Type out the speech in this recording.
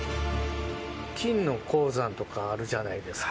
金の鉱山とかあるじゃないですか。